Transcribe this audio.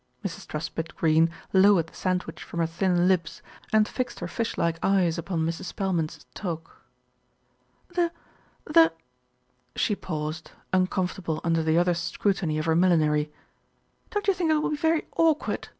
Mrs. Truspitt Greene lowered the sandwich from her thin lips, and fixed her fish like eyes upon Mrs. Spelman's toque. "The the " She paused, uncomfortable under the other's scrutiny of her millinery. "Don't you think it will be very awkward?"